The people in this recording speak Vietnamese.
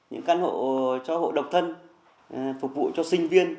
những căn hộ cho hộ độc thân phục vụ cho sinh viên